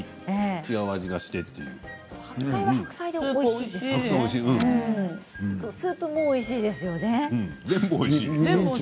白菜は白菜でおいしいですよね。